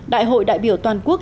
đại hội đại biểu toàn quốc